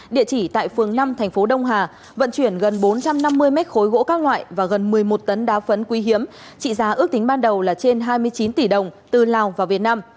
địa chỉ tại phường năm thành phố đông hà vận chuyển gần bốn trăm năm mươi mét khối gỗ các loại và gần một mươi một tấn đá phấn quý trị giá ước tính ban đầu là trên hai mươi chín tỷ đồng từ lào vào việt nam